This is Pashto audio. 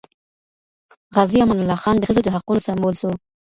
غازي امان الله خان د ښځو د حقونو سمبول سو.